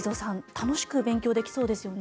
楽しく勉強できそうですよね。